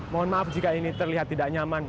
mohon maaf jika ini terlihat tidak nyaman